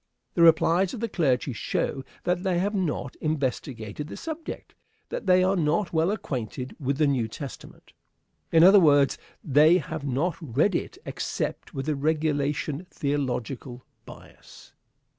The replies of the clergy show that they have not investigated the subject; that they are not well acquainted with the New Testament. In other words, they have not read it except with the regulation theological bias.